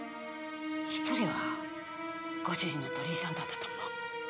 １人はご主人の鳥居さんだったと思う。